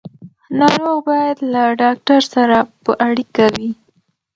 ناروغ باید له ډاکټر سره په اړیکه وي.